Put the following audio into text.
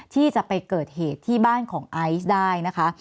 ที่จะไปเกิดเหตุที่บ้านของไอซ์ได้นะคะ